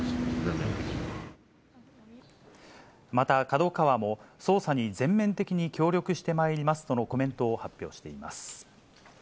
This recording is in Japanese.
また、ＫＡＤＯＫＡＷＡも、捜査に全面的に協力してまいりますとのコメントを発表しています。